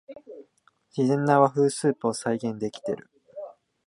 自然な和風スープを再現できてる